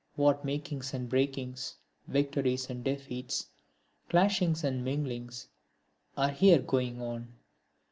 What makings and breakings, victories and defeats, clashings and minglings, are here going on!